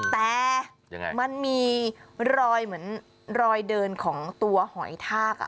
แต่มันมีรอยเหมือนรอยเดินของตัวหอยทาก